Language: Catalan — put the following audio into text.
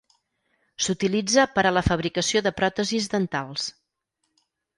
S'utilitza per a la fabricació de pròtesis dentals.